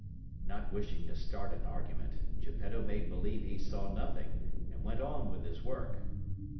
Not wishing to start an argument, Geppetto made believe he saw nothing and went on with his work.